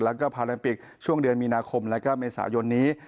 และพารัมปิกช่วงเดือนมีนาคมและเมษายนนี้